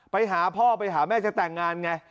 ไปหาพ่อไปหาแม่จะแต่งงานไง